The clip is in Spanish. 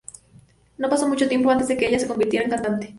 No pasó mucho tiempo antes de que ella se convirtiera en cantante.